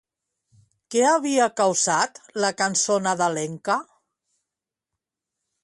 Què havia causat la cançó nadalenca?